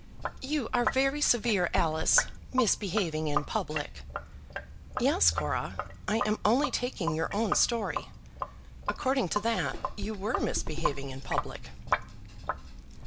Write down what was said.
"You are very severe, Alice. Misbehaving in public!" "Yes, Cora. I am only taking your own story. According to that, you were misbehaving in public."